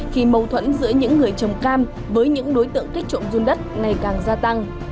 khuẩn giữa những người trồng cam với những đối tượng kích trộm run đất này càng gia tăng